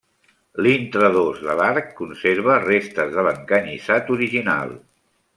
L'intradós de l'arc conserva restes de l'encanyissat original.